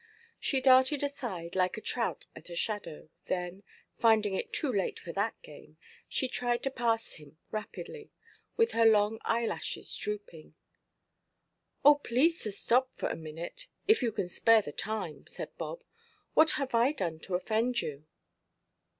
She darted aside, like a trout at a shadow, then, finding it too late for that game, she tried to pass him rapidly, with her long eyelashes drooping. "Oh, please to stop a minute, if you can spare the time," said Bob; "what have I done to offend you?"